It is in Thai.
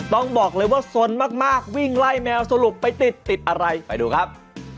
ต้องบอกเลยว่าสนมากวิ่งไล่แมวสรุปไปติดติดอะไรไปดูครับ